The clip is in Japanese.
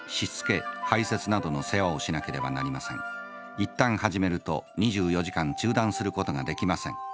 いったん始めると２４時間中断することができません。